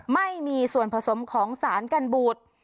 ไม่มีส่วนผสมของสารกันบูด